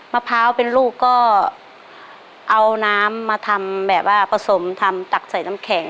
มะพร้าวเป็นลูกก็เอาน้ำมาทำแบบว่าผสมทำตักใส่น้ำแข็ง